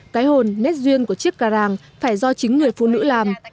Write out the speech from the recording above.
cái hồn nét duyên của chiếc ca ràng phải do chính người phụ nữ làm